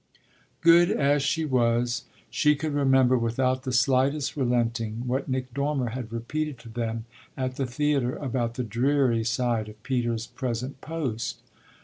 Good as she was, she could remember without the slightest relenting what Nick Dormer had repeated to them at the theatre about the dreary side of Peter's present post.